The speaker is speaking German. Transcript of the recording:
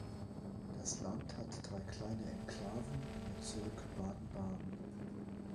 Das Land hat drei kleine Enklaven im Bezirk Baden-Baden